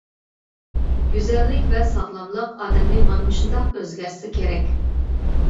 گۈزەللىك ۋە ساغلاملىق ئادەمنى مانا مۇشۇنداق ئۆزگەرتسە كېرەك.